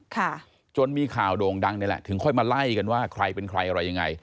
ค่ะจนมีข่าวโด่งดังนี่แหละถึงค่อยมาไล่กันว่าใครเป็นใครอะไรยังไง